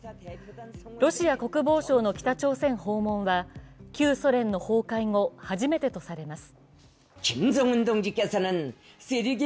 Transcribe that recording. ロシア国防相の北朝鮮訪問は旧ソ連の崩壊後初めてとされます。